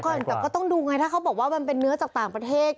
แต่ก็ต้องดูไงถ้าเขาบอกว่ามันเป็นเนื้อจากต่างประเทศ